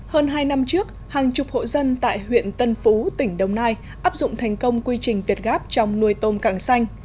hơn hai năm trước hàng chục hộ dân tại huyện tân phú tỉnh đồng nai áp dụng thành công quy trình việt gáp trong nuôi tôm càng xanh